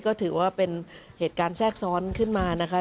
ก็ถือว่าเป็นเหตุการณ์แทรกซ้อนขึ้นมานะคะ